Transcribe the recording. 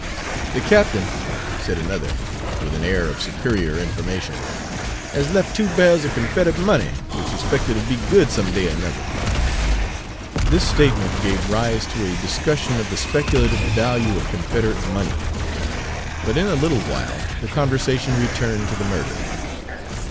"The Cap'n," said another, with an air of superior information, "has left two bairls of Confedrit money, which he 'spected 'ud be good some day er nuther." This statement gave rise to a discussion of the speculative value of Confederate money; but in a little while the conversation returned to the murder.